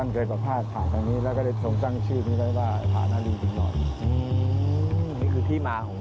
นี่ครับข้างหน้านี่คือพาณารีกินนอน